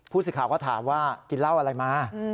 สิทธิ์ข่าวก็ถามว่ากินเหล้าอะไรมา